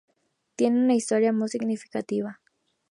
Tiene una historia muy significativa.